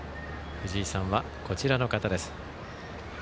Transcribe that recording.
藤井さんは、こちらの方です。